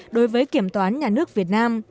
đối với kiểm toán nhà nước việt nam